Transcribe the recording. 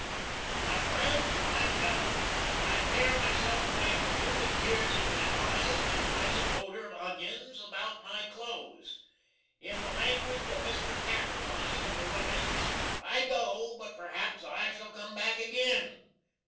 My frends, I'm dun. I tear myself away from you with tears in my eyes & a pleasant oder of Onyins abowt my close. In the langwidge of Mister Catterline to the Rummuns, I go, but perhaps I shall cum back agin.